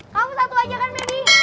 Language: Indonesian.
kamu satu aja kan berarti